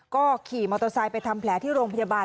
ก็ขี่มอเตอร์ไซค์ไปทำแผลที่โรงพยาบาล